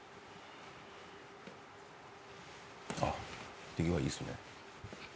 あっ手際いいっすね。